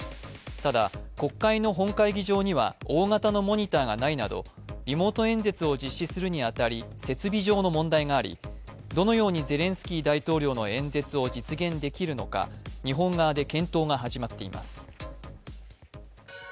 ただ、国会の本会議場には大型のモニターがないなど、リモート演説を実施するに当たり設備上の問題がありどのようにゼレンスキー大統領の演説を実現できるのか日本側で検討が始まっています。